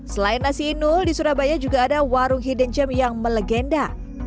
selain nasi inul di surabaya juga ada warung hidden gem yang melegenda